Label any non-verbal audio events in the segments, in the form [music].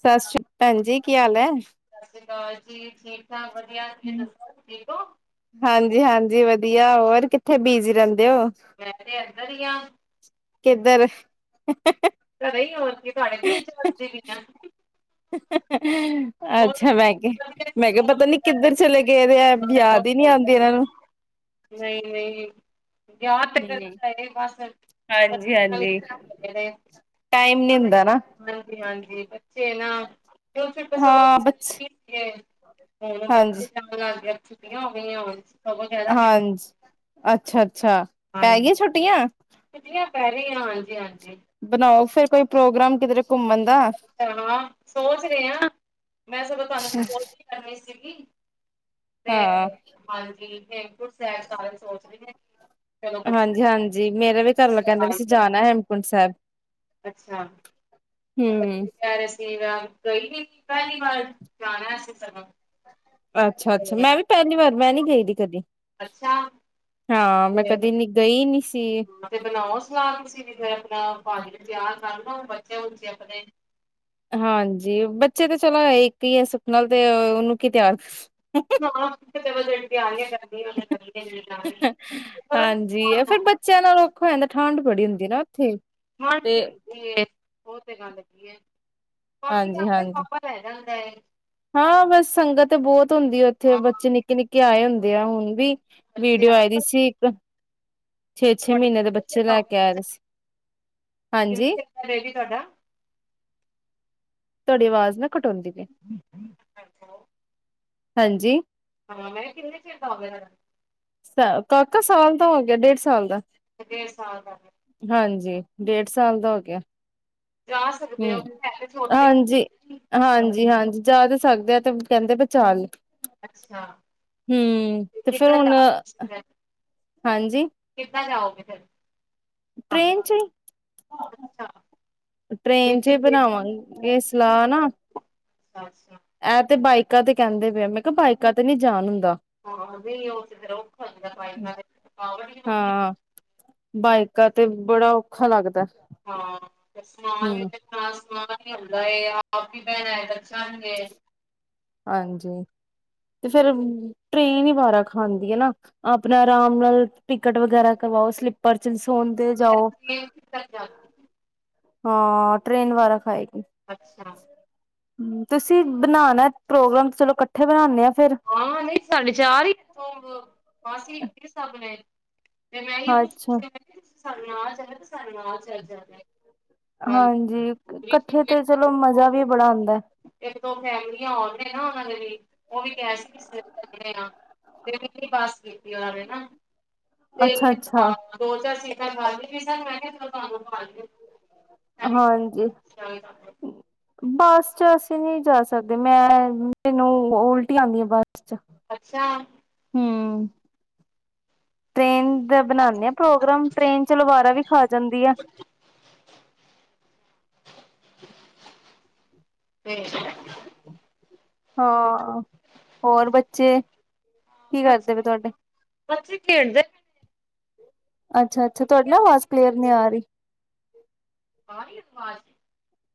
ਸਤਿ ਸ੍ਰੀ ਭੈਣ ਜੀ ਕੀ ਹਾਲ ਹੈ। ਸਤਿ ਸ਼੍ਰੀ ਅਕਾਲ ਜੀ ਠੀਕ, ਵਧੀਆ ਵਧੀਆਂ ਤੁਸੀਂ ਦੱਸੋ ਠੀਕੋ? ਹਾਂਜੀ ਹਾਂਜੀ ਵਧੀਆ ਹੋਰ ਕਿੱਥੇ ਬੀਜੀ ਰਹਿੰਦੀ ਮੈਂ ਤੇ ਇੱਧਰ ਹੀ ਆ। ਕਿਧਰ, ਘਰੇ ਹੋਰ ਕੇ ਤੁਹਾਡੇ ਦਿਲ ਬਸਦੀ ਪਈ ਆ। [unintelligible] ਹੋਰ ਅੱਛਾ ਬੈਕੇ, ਵਧੀਆ ਜੀ, ਮੈਂ ਕਿਹਾ ਹੋਰ ਪਤਾ ਨੀ ਹੁੰਦਾ ਹੈ। ਕਿੱਧਰ ਚਲੇ ਗਏ ਵ ਹੈ। ਮਨ ਯਾਦ ਬਹੁਤ ਹੀ ਨੀ ਹੋ ਆਦੀ ਗਿਆ। ਇਹਨਾਂ ਨੂੰ, ਨਹੀਂ ਨਹੀਂ ਯਾਦ ਤੇ ਕਰਤਾ ਹੈ ਬਸ, ਬੱਚੇ ਨਾਲ ਹੀ ਹਾਂਜੀ-ਹਾਂਜੀ। ਟਾਈਮ ਨੀ ਹੁੰਦਾ। ਹਾਂਜੀ-ਹਾਂਜੀ। ਤੇ ਨਾ, ਛੋਟੇ ਸਗੋਂ ਹਾਂ ਪਹਿਲੇ ਬੱਸ ਫ੍ਰੀ ਸੀਗੇ ਹੁਣ ਬੱਚੇ ਜਾਣ ਲੱਗ ਗਿਆ। ਛੁੱਟੀਆ ਹੋ ਗਈਆ। ਹਾਂਜੀ, ਅੱਛਾ-ਅੱਛਾ ਪੈ ਹਾਂਜੀ ਗਈ ਛੁੱਟੀਆਂ ਛੁੱਟੀਆਂ ਪੈ ਰਹੇ ਆਂ, ਹਾਂਜੀ-ਹਾਂਜੀ। ਬਣਾਓ ਫੇਰ ਕੋਈ ਪ੍ਰੋਗਰਾਮ ਕਿਧਰੇ ਘੁੰਮਣ ਦਾ ਅੱਛਾ ਹਾਂ ਸੋਚ ਰਹੇ ਹਾਂ, ਮੈਂ ਸਗੋਂ ਤੁਹਾਨੂੰ ਫੋਨ ਕਰਨੀ ਹੀ ਸੀ। ਜੱਗੀ ਤੇ ਹਾਂ ਹਾਂਜੀ ਹੇਮਕੁੰਟ ਸਾਹਿਬ ਸਾਰੇ ਸੋਚ ਰਹੇ ਆਂ। ਹਾਂਜੀ-ਹਾਂਜੀ ਮੇਰਾ ਵੀ ਘਰਆਲਾ ਕਹਿੰਦਾ ਵੀ ਅਸੀਂ ਜਾਣਾ ਹੇਮਕੁੰਟ ਸਾਹਿਬ। ਅੱਛਾ-ਅੱਛ ਹਮ ਯਾਰ ਅਸੀਂ ਵਾ ਕੋਈ ਵੀ ਪਹਿਲੀ ਵਾਰ ਜਾਣਾ ਅਸੀਂ ਘਰੋਂ ਅੱਛਾ-ਅੱਛਾ ਮੈਂ ਵੀ ਪਹਿਲੀ ਵਾਰ ਮੈਂ ਨੀ ਗਈ ਦੀ ਕਦੀ ਅੱਛਾ ਹਾਂ ਮੈਂ ਤੇ ਕਦੀ ਨੀ ਗਈ ਨੀ ਸੀ ਹਾਂ ਤੇ ਬਨਾਵੋ ਸਲਾਹ ਤੁਸੀ ਵੀ ਫੇਰ ਮੈਂ [inaudible] ਤਿਆਰ ਕਰ ਲਓ ਬੱਚੇ ਉਂਜ ਹੀ ਅਪਣੇ ਹਾਂਜੀ ਬੱਚੇ ਤੇ ਚਲੋ ਇੱਕ ਈ ਹੈ ਸੁਖ ਨਾਲ ਤੇ ਉਹਨੂੰ ਕੀ ਤਿਆਰ ਫ ਕਿੰਨੇ ਵਜੇ ਉੱਠ ਕਿ ਆ ਗਿਆ ਗਰਮੀ ਹੋਵੇ ਜਾਂ ਸਰਦੀ [inaudible] ਠੰਡ ਬੜੀ ਹੁੰਦੀ ਨਾ ਉੱਥੇ। ਠੰਡ ਤੇ ਹੁੰਦੀ ਐ। ਉਹ ਤੇ ਗੱਲ ਹੈਗੀ ਐ। ਬਾਕੀ ਹਾਂਜੀ ਆਪੇ ਹਾਂਜੀ ਪਾਪਾ ਲੈ ਜਾਣਗੇ। ਮੈਂ ਹਾਂ ਬਸ ਸੰਗਤ ਈ ਬਹੁਤ ਹੁੰਦੀ ਏ ਉੱਥੇ ਹਾਂ ਬੱਚੇ ਨਿੱਕੇ- ਨਿੱਕੇ ਆਏ ਹੁੰਦੇ ਆਂ ਹੁਣ ਵੀ ਵੀਡੀਓ ਆਈ ਦੀ ਸੀ ਇੱਕ ਛੇ- ਛੇ ਮਹੀਨੇ ਦੇ ਕਿੰਨੇ ਚਿਰ ਬੱਚੇ ਦਾ ਲੈ ਕੇ ਆਏ ਦੇ ਸੀ, ਹਾਂਜੀ। ਬੇਬੀ ਤੁਹਾਡਾ ਤੁਹਾਡੀ ਆਵਾਜ਼ ਨਾ ਘੱਟ ਆਉਂਦੀ ਪਈ ਹੈ ਹਾਂਜੀ ਹਾਂ ਮੈਂ ਕਿਹਾ ਕਿੰਨੇ ਚਿਰ ਦਾ ਹੋ ਗਿਆ। ਸ ਕਾਕਾ ਸਾਲ ਦਾ ਹੋ ਗਿਆ ਡੇਢ ਸਾਲ ਦਾ। ਡੇਢ ਸਾਲ ਦਾ ਹਾਂਜੀ ਡੇਢ ਸਾਲ ਦਾ ਹੋ ਗਿਆ। ਜਾ ਸਕਦੇ ਹੋ ਹੂੰ, ਪਰ ਹੈ ਤੇ ਛੋਟੇ ਹੀ ਹਾਂਜੀ-ਹਾਂਜੀ-ਹਾਂਜੀ। ਜਾ ਤੇ ਸਕਦੇ ਐਂ ਤਾਂ ਹੀ ਕਹਿੰਦੇ ਪਏ ਚੱਲ। ਅੱਛਾ ਹੂੰ ਤੇ ਫਿਰ ਕਿੱਦਾਂ ਜਾ ਹੁਣ ਰਹੇ ਤੁਸੀਂ ਫਿਰ ਹਾਂਜੀ ਕਿੱਦਾਂ ਜਾਓਗੇ ਫਿਰ ਟ੍ਰੇਨ ਆਪਣਾ ਚ ਅੱਛਾ [inaudible] ਟ੍ਰੇਨ ਚ ਹੀ ਰਿਸ਼ੀਕੇਸ਼। ਬਨਾਵਾਂਗੇ ਸਲਾਹ ਨਾ। [unintelligible] ਇਹ ਤੇ ਬਾਈਕਾ ਤੇ ਕਹਿੰਦੇ ਪਏ ਹੈਂ ਮੈਂ ਕਿਹਾ ਬਾਈਕਾਂ ਤੇ ਨੀ ਜਾਨ। ਹਾਂ ਵਈ [unintelligible] ਔਖਾ ਹੋ ਜਾਂਦਾ ਹੈ ਬਾਈਕਾਂ ਤੇ ਹਾਂ। [unintelligible] ਬਾਈਕਾਂ ਤੇ ਬੜਾ ਔਖਾ ਲੱਗਦਾ। ਹਾਂ ਤੇ ਸਮਾਨ ਵੀ ਹੂੰ। ਇਹਨਾਂ ਸਾਰਾ ਨਹੀਂ ਹੁੰਦਾ ਇਹੀ ਆ ਆਪ ਵੀ ਬੈਣਾ ਹੈ ਬੱਚੇ ਚਾਂ ਨੇਂ ਹਾਂਜੀ ਤੇ ਫਿਰ ਟਰੇਨ ਹੀ ਬਾਰਾਂ ਖਾਂਦੀ ਹੈ ਨਾ ਆਪਨਾ ਆਰਾਮ ਨਾਲ ਟਿਕਟ ਵਗੈਰਾ ਕਰਵਾਓ ਸਲੀਪਰ ਚ ਸ ਸੋਹਂਦੇ ਜਾਓ ਹਾਂ ਟ੍ਰੇਨ ਵਾਰਾ ਖਾਏਗੀ। ਅੱਛਾ ਹਮ ਤੁਸੀ ਬਨਾਨਾ ਪ੍ਰੋਗਰਾਮ ਚਲੋ ਇਕੱਠੇ ਬਣਾਉਦੇ। ਹਾਂ ਨਹੀਂ ਸਾਡੇ ਚਾਰ [unintelligible] ਤੇ ਮੈਂ ਪੁਛ। ਅੱਛਾ ਸਾਨ ਨਾਲ ਆ ਜਾਣਾ ਤੇ ਸਾਨੂੰ ਆ ਜਾ ਜਾਦਾ। ਹਾਂਜੀ ਕੱਠੇ ਤੇ ਚਲੋ ਮਜ਼ਾ ਵੀ ਬੜਾ ਆਉਂਦਾ ਹੈ। ਇੱਕ ਦੋ ਫੈਮਲੀਆਂ ਹੋਰ ਨੇ ਨਾ ਉਹਨਾਂ ਦੇ ਵੀ ਉਹ ਵੀ ਬਸ ਕੀਤੀ ਉਹਨਾਂ ਨੇ ਨਾ ਤੇ ਅੱਛਾ-ਅੱਛਾ ਹਾਂ ਦੋ ਚਾਰਸੀ [unintelligible] ਮੈਂ ਤੁਹਾਨੂੰ ਹਾਂਜੀ [unintelligible] ਬੱਸ ਚ ਅਸੀਂ ਨਹੀਂ ਜਾ ਸਕਦੇ ਮੈਂ ਮੈਨੂੰ ਉਲਟ ਆਉਂਦੀ ਆ ਬੱਸ ਚ ਅੱਛਾ। ਹਮ। ਟਰੇਨ ਦਾ ਬਣਾਉਦੇ ਹਾਂ ਪ੍ਰੋਗਰਾਮ ਟਰੇਨ ਚ ਲਵਾਰਾ ਵੀ ਖਾ ਜਾਂਦੀ ਹੈ। [unintelligible] ਹਾਂ ਹੋਰ ਬੱਚੇ? ਕੀ ਕਰਦੇ ਪਏ ਤੁਹਾਡੇ ਮਸੀਹ ਖੇਡ ਦੇ ਅੱਛਾ ਅੱਛਾ ਤੁਹਾਡੀੇ ਨਾ ਆਵਾਜ਼ ਕਲੀਅਰ ਨੀ ਆ ਰਹੀ। ਪਾਰੀ ਨੂੰ ਮ ਸੀੇ।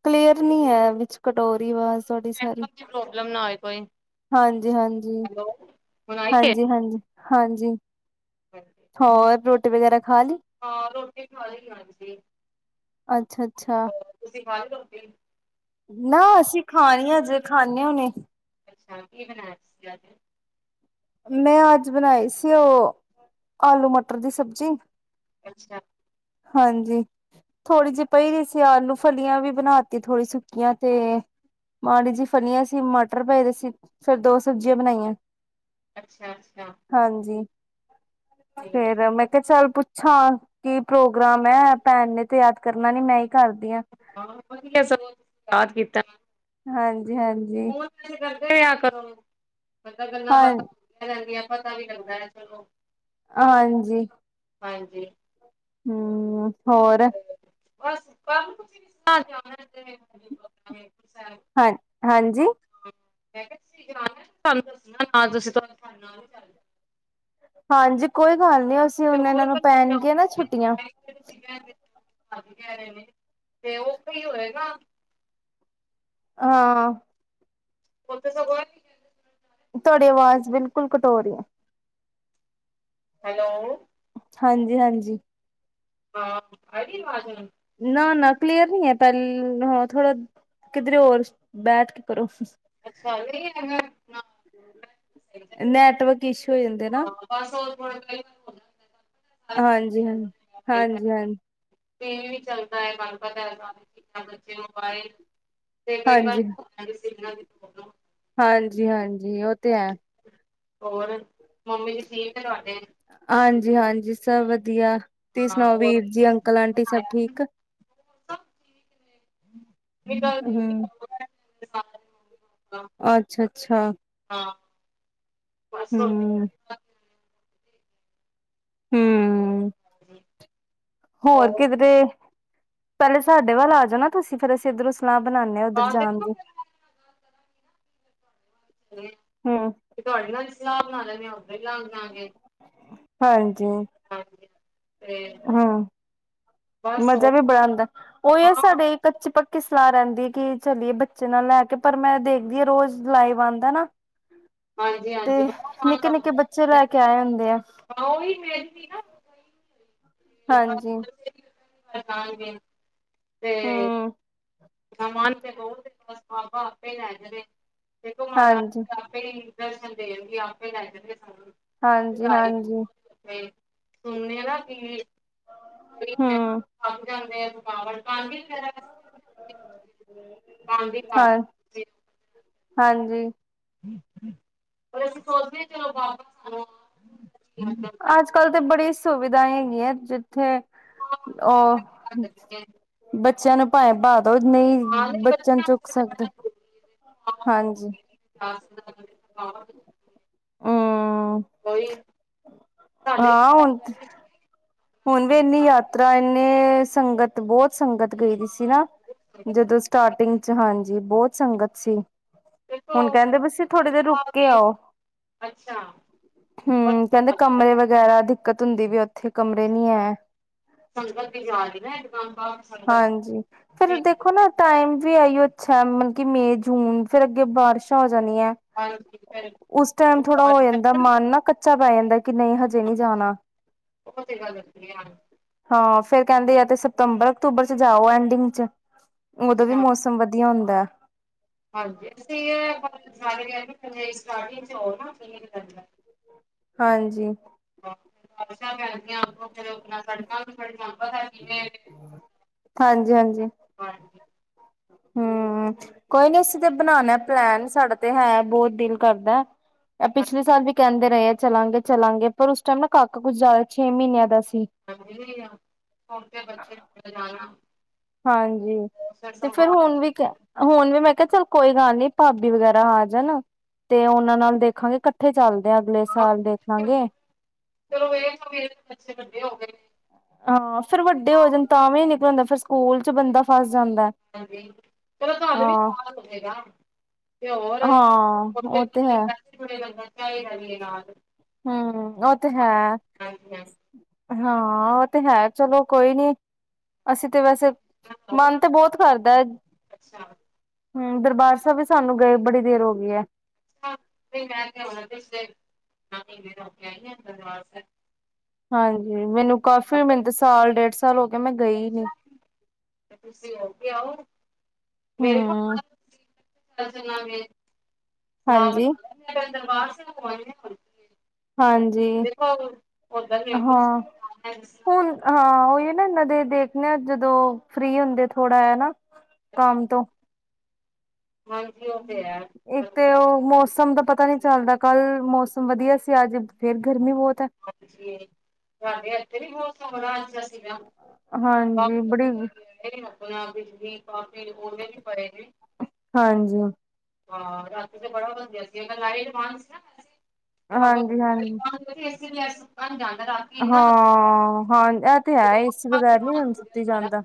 ਕਲੀਅਰ ਨੀ ਹੈ ਵਿੱਚ ਟੋਰੀ ਆਵਾਜ਼ ਤੁਹਾਡੀ ਸਾਰੀ ਨੈਟਵਰਕ ਦੀ ਪ੍ਰੋਬਲਮ ਨਾ ਹੋਏ ਕੋਈ। [unintelligible] ਹਾਂਜੀ ਹਾਂਜੀ ਹੈਲੋ ਹੁਣ ਆਈ ਏ। ਹਾਂਜੀ ਹਾਂਜੀ। ਹਾਂਜੀ। ਹੋਰ ਰੋਟੀ ਵਗੈਰਾ ਖਾ ਲਈ ਹਾਂ ਰੋਟੀ ਖਾ ਲਈ ਹਾਂਜੀ। ਅੱਛਾ ਅੱਛਾ। ਵ। [unintelligible] ਨਾ ਅਸੀਂ ਖਾਣੀ ਹਜੇ ਖਾਂੇ ਹੋਣੇ। [unintelligible] ਅੱਛਾ ਇਹ ਨਾ ਸਦ। [unintelligible] ਮੈਂ ਅੱਜ ਬਣਾਈ ਸੀ ਉਹ ਆਲੂ ਮਟਰ ਦੀ ਸਬਜ਼ੀ ਅੱਛਾ। ਹਾਂਜੀ ਥੋੜ੍ਹੀ ਜਿਹੀ ਪਈ ਹੋਈ ਸੀ ਆਲੂ ਫਲੀਆਂ ਵੀ ਬਣਾਤੀ ਥੋੜ੍ਹੀ ਸੁੱਕੀਆਂ ਤੇ ਮਾੜੀ ਜਿਹੀ ਫਲੀਆਂ ਸੀ ਮਟਰ ਪਏ ਸੀ ਫੇਰ ਦੋ ਸਬਜ਼ੀਆਂ ਬਣਾਈਆਂ। ਅੱਛਾ ਅੱਛਾ। [inaudible] ਠੀਕ ਹੈ ਫੇਰ ਮੈਂ ਕਿਹਾ ਚੱਲ ਪੁੱਛਾਂ ਕੀ ਪ੍ਰੋਗਰਾਮ ਹੈ ਭੈਣ ਨੇ ਤੇ ਯਾਦ ਕਰਨਾ। ਮ ਨੀ ਮੈਂ [unintelligible] ਹਾਂ ਵਧੀਆ ਸਗੋਂ ਯਾਦ ਕੀਤਾ। ਹਾਂਜ [unintelligible] ਜੀ ਹਾਂਜੀ। ਕਿਹਾ ਕਰੋ। [unintelligible] ਮਤਲਬ ਗੱਲਾਂ ਹਾਂ ਬਾਤਾਂ ਹੁੰਦੀਆਂ ਰਹਿੰਦਿਆ ਪਤਾ ਵੀ ਲੱਗਦਾ ਹੈ ਚਲੋ। ਕਿਉਂ ਬਈ ਹਾਂਜੀ ਹਾਂਜੀ। ਹਮ ਹੋਰ। ਤੇ ਬਸ [unintelligible] ਹਾਂ ਹਾਂਜੀ। ਮੈਂ ਕਿਹਾ ਤੁਸੀ ਦਸਨਾ ਤੁਹਾਡੇ ਨਾਲ ਹੀ ਚਲ [unintelligible] ਹਾਂਜੀ ਕੋਈ ਹਲੇ ਅਸੀ ਹੁਨ‌ ਹੋਰ ਇਹਨਾਂ ਨੂੰ ਕੱਲੇ ਪੈਨਗੀਆਂ ਨਾ ਛੁੱਟੀਆਂ ਅ ਕਹਿ ਰੇ ਨੇ ਤੇ ਉਹ ਕੋਈ ਹੋਏਗਾ। [unintelligible] ਹਾਂ। ਓ ਤੇ ਸਗੋ ਐ ਵੀ [unintelligible] ਤੁਹਾਡੀੇ ਆਵਾਜ਼ ਬਿਲਕੁਲ ਕਟ ਹੋ ਰਹੀ ਹੈ। ਹੈਲੋ। ਹਾਂਜੀ ਹਾਂਜੀ। ਹਾਂ ਆਈ ਅਵਾਜ਼ ਹੁਣ। ਨਾ ਨਾ ਕਲੀਅਰ ਨਹੀਂ ਹੈ ਪਹਿਲ ਹਾਂ ਥੋੜਾ ਕਿਧਰੇ ਹੋਰ ਬੈਠ ਕੇ ਕਰੋ। ਅੱਛਾ [unintelligible] ਹਾਂ ਨੈਟਵਰਕ ਇਸ਼ੂ ਹੋ ਜਾਂਦੇ ਨਾ ਬਸ ਓ ਥੋੜਾ [inaudible] ਸਾਰੀ ਹਾਂਜੀ ਹਾਂ, ਚੀਜ਼ਾਂ ਹਾਂਜੀ ਹਾਂ। ਟੀ ਵੀ ਵੀ ਚੱਲਦਾ ਹੈ ਤਾਂ ਪਤਾ ਐ ਬੱਚੇ ਮੋਬਾਈਲ ਤੇ ਕਈ ਗੱਲ ਹਾਂਜੀ ਹਾਂਜੀ ਜਿੰਨਾ ਵੀ ਬੋਲੋ। ਹਾਂਜੀ-ਹਾਂਜੀ, ਉਹ ਤੇ ਹੈ। ਹੋਰ। ਮੰਮੀ ਜੀ ਠੀਕ ਏ ਤੁਹਾਡੇ? ਹਾਂਜੀ ਹਾਂਜੀ ਸਭ ਵਧ ਵਧੀਆ ਤੁਸੀ ਹਾਂ ਸੁਣਾਓ ਹੋਰ ਵੀਰ ਜੀ ਅੰਕਲ ਆਂਟੀ ਸਭ ਠੀਕ। [unintelligible] ਨਿਕਲਦੀ ਨੀ [unintelligible] ਅੱਛਾ-ਅੱਛਾ। ਹਾਂ ਬਸ, ਹੂੰ। [unintelligible] ਹੋਰ ਕਿੱਧਰੇ ਪਹਿਲੇ ਸਾਡੇ ਵੱਲ ਆ ਜਾਣਾ ਨਾ ਤੁਸੀਂ ਫੇਰ ਅਸੀਂ ਇੱਧਰੋਂ ਸਲਾ ਬਣਾਉਦੇ ਆ ਉੱਧਰ ਹਾਂ ਜਾਣ ਦੇਖੋ ਦੀ, ਫਿਰ ਮੈਂ ਗੱਲ ਕਰਾਂਗੀ ਹੂੰ ਤੁਹਾਡੇ ਨਾਲ ਸਲਾਹ ਬਣਾ [unintelligible] ਉਦ ਹੀ ਲੱਗ ਜਾਗੇ। ਹਾਂ। ਹੂੰ, ਤੇ ਹੂੰ, ਬਸ ਹੋਰ ਮਜ਼ਾ ਵੀ ਬੜਾ ਕੀ। ਆਉਂਦਾ ਉਹ ਹੈ ਹਾਂ ਸਾਡੇ ਕੱਚੇ ਪੱਕੇ ਸਲਾਹ ਰਹਿੰਦੀ ਕਿ ਚਲੀਏ ਬੱਚੇ ਨਾਲ ਲੈ ਕੇ ਪਰ ਮੈਂ ਦੇਖਦੀ ਹ ਰੋਜ਼ ਲਾਈਵ ਆਉਂਦਾ ਨਾ। ਹਾਂਜੀ ਤੇ ਹਾਂਜੀ ਬੜਾ ਮਨ ਨਿੱਕੇ ਨਿੱਕੇ ਬੱਚੇ ਲੱਗਦਾ ਲੈ ਕੇ ਆਏ ਹੁੰਦੇ ਆ। ਹਾਂ ਉਹੀ ਮੇਰੀ ਵੀ ਨਾ ਤੇ ਬਸ ਹਾਂਜੀ। [unintelligible] ਤੇ, ਹੂੰ [unintelligible] ਤੇ ਬਹੁਤ ਬ ਬਾਬਾ ਆਪੇ ਲੈ ਜਾਵੇ। ਦੇਖੋ ਮਹਾਰਾਜ ਹਾਂਜੀ ਜੀ ਆਪੇ। ਦਰਸ਼ਨ ਦੇਣਗੇ ਆਪੇ ਲੈਂਦੇ, ਹਾਂਜੀ ਹਾਂਜੀ ਸੁਣੇ ਨਾ ਕੀ ਹੀ ਹੂੰ ਸਮ ਜਾਂਦੇ ਆ ਥਕਾਵਟ [unintelligible] ਹਾਂ [unintelligible] ਹਾਂਜੀ ਪਰ ਅਸੀਂ ਸੋਚਦੇ ਕੋਲ ਵਾਪ ਆ ਅੱਜ ਕੱਲ ਤੇ ਬੜੀ ਸੁਵਿਧਾ ਹੈਗੀਆਂ ਉੱਥੇ ਅ ਬੱਚੇ ੱਚਨ ਭਾਏ ਬਾਗ ਨਹੀਂ ਹਾਂ ਨਹੀਂ ਬੱਚਨ ਬੱਚਿਆਂ ਚੁੱਕ ਵਾਸਤੇ ਤਾਂ ਸਕਦੇ ਬੜਾ ਜ਼ਰੂਰੀ ਹੈ ਹਾਂਜੀ ਹਾਂ ਹੂੰ ਸਾਡੇ ਵੀ ਹਾਂ ਆਏ ਹੁਣ ਗਏ ਸੀਗੇ ਹੁਣ ਵੀ ਸਾਡੇ ਇੰਨੀ ਘਰ ਸੀਗੇ ਯਾਤਰਾ ਇੰਨੇ ਸੰਗਤ ਬਹੁਤ ਸੰਗਤ ਗਈ ਦੀ ਸੀ ਨਾ ਹਾਂ ਜਦੋਂ ਸਟਾਰਟਿੰਗ ਹਾਂਜੀ ਬਹੁਤ ਸੰਗਤ ਸੀ ਦੇਖੋ ਹੁਣ ਕਹਿੰਦੇ ਪਏ ਸੀ ਥੋੜੇ ਦੇਰ ਰੁਕੇ ਕੇ ਆਓ ਅੱਛਾ ਹੂੰ ਕਹਿੰਦੇ ਕਮਰੇ ਵਗੈਰਾ ਦਿੱਕਤ ਹੁੰਦੀ ਪਈ ਓਥੇ ਕਮਰੇ ਨਹੀਂ ਹੈ ਸੰਗਤ [unintelligible] ਸਾਹਿਬ ਸੰਗਤ ਹਾਂਜੀ ਫਿਰ ਦੇਖੋ ਨਾ ਟਾਈਮ ਵੀ ਓਈਓ ਅੱਛਾ ਮਤਲਬ ਕਿ ਮੇ ਜੂਨ ਫਿਰ ਅੱਗੇ ਬਾਰਿਸ਼ਾਂ ਜਾਣੀਏ ਉਸ ਟਾਈਮ ਥੋੜਾ ਹੋ ਜਾਂਦਾ ਮਨ ਨਾ ਕੱਚਾ ਪੈ ਜਾਂਦਾ ਕਿ ਨਈ ਹਜੇ ਨੀ ਜਾਣਾ ਉਹ ਤੇ ਗੱਲ ਕਰਨੀ ਆ ਹਾਂ ਫਿਰ ਕਹਿੰਦੇ ਆ ਤੇ ਸਤੰਬਰ ਅਕਤੂਬਰ ਚ ਜਾਓ ਐਂਡਿੰਗ ਚ ਉਦੋਂ ਵੀ ਅੱਛਾ ਮੌਸਮ ਵਧੀਆ ਹੁਣ ਦਾ ਹਾਂਜੀ ਅਸੀ [unintelligible] [inaudible] ਹਾਂਜੀ ਅਸਾਂ ਕਰਦੀਆਂ ਆਣ ਦੋ ਫੇਰ ਸੜਕਾਂ ਨੂੰ ਸੜਕ ਪਤਾ ਕਿਵੇਂ ਹਾਂਜੀ ਹੂੰ ਕੋਈ ਨੀ ਅਸੀਂ ਤੇ ਬਣਾਣਾ ਪਲੈਨ ਸਾਡਾ ਤੇ ਹੈ ਬਹੁਤ ਦਿਲ ਕਰਦਾ ਪਿਛਲੇ ਸਾਲ ਵੀ ਕਹਿੰਦੇ ਰਹੇ ਆ ਚਲਾਂਗੇ ਚਲਾਂਗੇ ਪਰ ਉਸ ਟਾਈਮ ਨਾ ਕਾਕਾ ਕੁੱਝ ਜ਼ਿਆਦਾ ਛੇ ਮਹੀਨਿਆਂ ਦਾ ਸੀ‌ ਹਾਂਜੀ ਹੁਣ ਤੇ ਬੱਚੇ ਜਾਣਾ ਹਾਂਜੀ ਤੇ ਫਿਰ ਹੁਣ ਵੀ ਕ ਹੁਣ ਵੀ ਮੈਂ ਕਿਹਾ ਚੱਲ ਕੋਈ ਗੱਲ ਨੀ ਭਾਬੀ ਵਗੈਰਾ ਆ ਜਾਣਾ ਤੇ ਉਹਨਾਂ ਨਾਲ ਦੇਖਾਂਗੇ ਇਕੱਠੇ ਚੱਲਦੇ ਆ ਅਗਲੇ ਸਾਲ ਦੇਖ ਲਾਂਗੇ ਚਲੋ ਇਹ ਮੇਰੇ ਬੱਚੇ ਵੱਡੇ ਹੋ ਗਏ ਨੇ। ਹਾਂ ਫੇਰ ਵੱਡੇ ਹੋ ਜਾਂਣ ਤਾਂ ਵੀ ਨਿਕਲਣਦਾ ਫਿਰ ਸਕੂਲ ਚ ਬੰਦਾ ਫਸ ਜਾਂਦਾ ਹਾਂਜੀ ਚਲੋ ਤੁਹਾਨੂੰ ਵੀ ਹਾਂ ਸਾਲ ਹੋਜੇਗਾ ਤੇ ਹੋਰ [inaudible] ਵੀ ਏ ਨਾਲ। ਹੂੰ ਉਹ ਤੇ ਹੈ। ਹਾਂਜੀ ਹਾਂਜੀ। ਹਾਂ ਉਹ ਤੇ ਹੈ। ਚਲੋ ਕੋਈ ਨੀ ਅਸੀਂ ਤੇ ਵੈਸੇ ਮਨ ਤੇ ਬਹੁਤ ਕਰਦਾ ਐ। ਅੱਛਾ ਹੂੰ ਦਰਬਾਰ ਸਾਹਿਬ ਵੀ ਸਾਨੂੰ ਗਏ ਬੜੀ ਦੇਰ ਹੋ ਗਈ ਹੈ। [unintelligible] ਹਾਂਜੀ। ਮੈਨੂੰ ਕਾਫੀ ਮੈਨੂੰ ਤਾਂ ਸਾਲ ਡੇਢ ਸਾਲ ਚਲੋ ਤੇ ਤੁਸੀਂ ਹੈਗੇ ਆਓ। ਮੇਰੇ ਕੋਲ ਹਮ ਚਲ ਚਲਾਂਗੇ। ਹਾਂਜੀ [unintelligible] ਪਾਸ [unintelligible] ਹਾਂਜੀ ਓਦਾਂ ਹੇਮਕੁੰਟ ਹਾਂ ਸਾਹਿਬ ਜਾਣਾ ਜਿਸ ਹੁਣ ਹਾਂ। ਨਾ ਨਦੇ ਦੇਖਦੇ ਆ ਜਦੋਂ ਫ੍ਰਰੀ ਹੁੰਦੇ ਥੋੜਾ ਨਾ ਕੰਮ ਤਰ੍ਹਾਂ ਤੋਂ ਹਾਂਜੀ ਉਹ ਤੇ ਹੈ ਇੱਕ ਤੇ ਉਹ ਮੌਸਮ ਦਾ ਪਤਾ ਨੀ ਚੱਲਦਾ। ਕੱਲ ਮੌਸਮ ਵਧੀਆ ਸੀ ਅੱਜ ਫੇਰ ਗਰਮੀ ਬਹੁਤ ਹੈ। ਹਾਂਜੀ ਸਾਡੇ ਇੱਥੇ ਵੀ ਬਹੁਤ ਥੋੜਾ ਹਾਂਜੀ ਬੜੀ ਕਾਫੀ ਆਪਣਾ ਬਿਜਲੀ ਪਾ ਵੀ ਉਹਨੇ ਵੀ ਪਾਏ ਨੇ ਹਾਂਜੀ ਹਾਂ, ਰਾਤ ਤੇ ਬੜਾ ਬਦਲਾਅ ਸੀ ਲਾਈਟ। [unintelligible] ਅਗਰ ਲਾਈਟ ਹਾਂਜੀ-ਹਾਂਜੀ। ਬੰਦ ਹੋਵੇ ਏਸੀ ਜਾਂਦਾ ਨਾ ਇਨਵਰਟਰ ਹਾਂ ਇਹ ਤੇ ਹੈ ਏਸੀ ਬਗੈਰ ਨੀ ਹੁਣ ਸੁੱਤੀ ਜਾਂਦਾ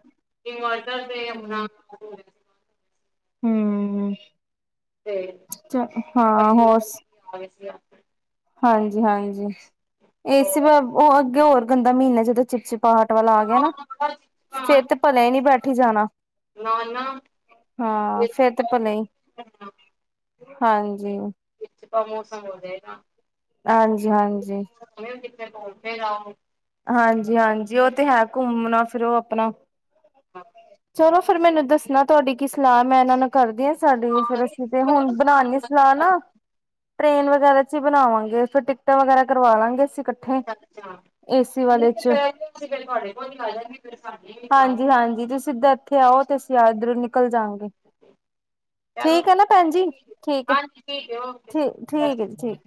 ਤੇ [unintelligible] ਆਪਣਾ ਹਮ [unintelligible] [inaudible] ਹੂੰ। ਤੇ ਚ, ਆ ਹਾਂ, ਹੋਰ ਸੁ ਗਏ ਸੀ ਹਾਂਜੀ-ਹਾਂਜੀ, ਏਸੀ ਹੋਰ ਉਹ ਅੱਗੇ ਹੋਰ ਗੰਦਾ ਮਹੀਨਾ ਜਦੋਂ ਚਿਪ- ਚਿਪ, ਪਹਾਟ ਵਾਲਾ ਆ ਗਿਆ ਨਾ, ਫੇਰ ਤੇ ਭਲੇ ਹੀ ਨੋ ਬੈਠੀ ਜਾਣਾ ਨਾ ਨਾ ਹਾਂ ਫੇਰ ਤੇ ਭਲੇ ਹੀ। ਹਾਂਜੀ। ਜ ਆਪ ਮੌਸਮ ਹੋ ਜਾਏਗਾ। ਹਾਂਜੀ-ਹਾਂਜੀ। [unintelligible] ਤੇ ਹੈ ਘੁੰਮਣਾ ਫਿਰ ਉਹ ਆਪਣਾ। ਹਾਂ। ਚਲੋ, ਫਿਰ ਮੈਨੂੰ ਦੱਸਣਾ ਤੁਹਾਡੀ ਕੀ ਸਲਾਹ, ਮੈਂ ਇਹਨਾਂ ਨੂੰ ਕਰਦੀ ਹਾਂ। ਸਾਡੀੇ ਫੇਰ, ਅਸੀਂ ਤੇ ਹੁਣ ਬਣਾਣੀ ਆ ਸਲਾਹ ਨਾ। ਟ੍ਰੇਨ ਵਗੈਰਾ 'ਚ ਹੀ ਬਣਾਵਾਂਗੇ, ਫਿਰ ਟਿਕਟਾਂ ਵਗੈਰਾ ਕਰਵਾ ਲਾਂਗੇ ਅਸੀਂ। ਇਕੱਠੇ ਅਛ ਅੱਛਾ ਏਸੀ ਵਾਲੇ ਚ [inaudible] ਇਥੇ ਆਓ ਅਸੀਂ ਇਧਰੋਂ ਨਿਕਲ ਨਿਕਲ ਜਾਗੇ, ਚਲੋ ਠੀਕ ਹੈ ਨਾ ਭੈਣ ਜੀ, ਠੀਕ ਠੀਕ ਹੈ, ਹਾਂਜੀ ਠੀਕ ਹੈ ਓਕੇ ਜੀ ਠੀ ਸਤਿ ਠੀਕ ਹੈ ਸ਼੍ਰੀ ਜੀ, ਠੀਕ। ਅਕਾਲ